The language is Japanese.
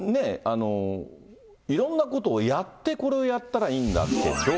いろんなことをやって、これをやったらいいんだけど。